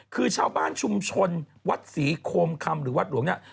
คือชาวบ้านชุมชนวัดศรีโคมคำหรือวัดหลวงเนี่ย